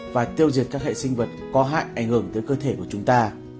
và tiêu diệt các hệ sinh vật có hại ảnh hưởng tới cơ thể của chúng ta